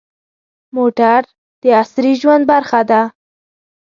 موټر د عصري ژوند برخه ده.